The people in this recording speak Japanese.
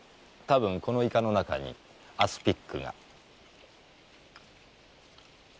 たぶんこのイカの中にアスピックが。